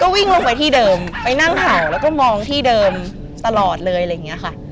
วิ่งลงไปที่เดิมไปนั่งเห่าแล้วก็มองที่เดิมตลอดเลยอะไรอย่างนี้ค่ะ